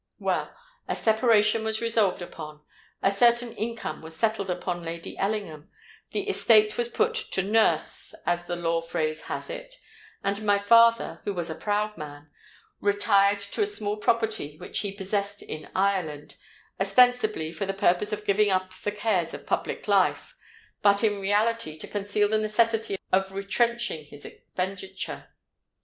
Well, a separation was resolved upon: a certain income was settled upon Lady Ellingham; the estate was put 'to nurse,' as the law phrase has it; and my father, who was a proud man, retired to a small property which he possessed in Ireland, ostensibly for the purpose of giving up the cares of public life, but in reality to conceal the necessity of retrenching his expenditure.